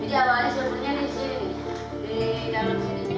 jadi apaan sih semuanya di sini